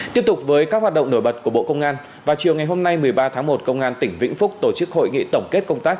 tiếp tục với các hoạt động nổi bật của bộ công an vào chiều ngày hôm nay một mươi ba tháng một công an tỉnh vĩnh phúc tổ chức hội nghị tổng kết công tác